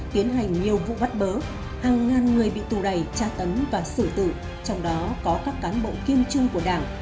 tiến hành nhiều vụ bắt bớ hàng ngàn người bị tù đầy tra tấn và sử tử trong đó có các cán bộ kiêm trương của đảng